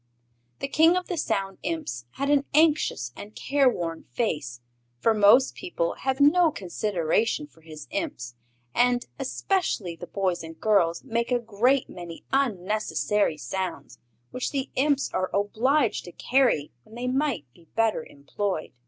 The King of the Sound Imps had an anxious and careworn face, for most people have no consideration for his Imps and, especially the boys and girls, make a great many unnecessary sounds which the Imps are obliged to carry when they might be better employed.